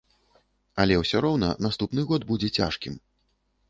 Але ўсё роўна наступны год будзе цяжкім.